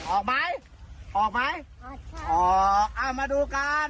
ออกไหมออกไหมออกเอามาดูกัน